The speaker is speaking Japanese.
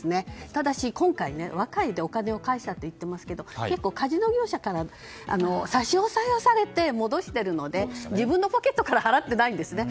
ただし、今回お金を返したとおっしゃっていますがカジノ業者から差し押さえされ戻しているので自分のポケットから払っていないんですね。